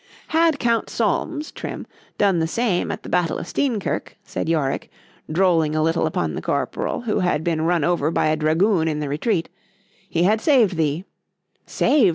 Had count Solmes, Trim, done the same at the battle of Steenkirk, said Yorick, drolling a little upon the corporal, who had been run over by a dragoon in the retreat,——he had saved thee;——Saved!